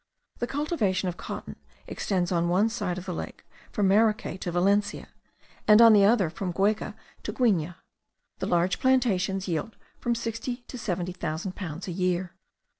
The cultivation of cotton extends on one side of the lake from Maracay to Valencia; and on the other from Guayca to Guigue. The large plantations yield from sixty to seventy thousand pounds a year.